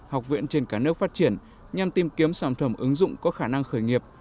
học viện trên cả nước phát triển nhằm tìm kiếm sản phẩm ứng dụng có khả năng khởi nghiệp